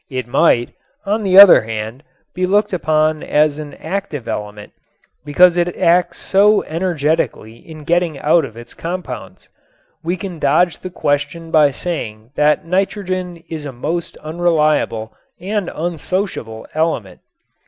It might, on the other hand, be looked upon as an active element because it acts so energetically in getting out of its compounds. We can dodge the question by saying that nitrogen is a most unreliable and unsociable element.